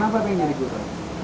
kenapa pengen jadi guru